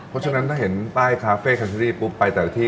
เพราะฉะนั้นถ้าเห็นป้ายคาเฟ่คันเชอรี่ปุ๊บไปแต่ละที่